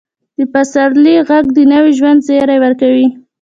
د پسرلي ږغ د نوي ژوند زیری ورکوي.